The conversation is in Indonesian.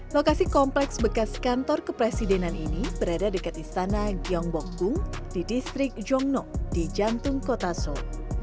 lokasi kompleks bekas kantor kepresidenan ini berada dekat istana gyeongbokgung di distrik jongno di jantung kota seoul